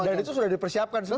dan itu sudah dipersiapkan semua ya